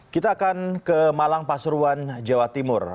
kita akan ke malang pasuruan jawa timur